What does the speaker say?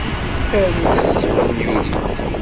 Arut s tespenyulit.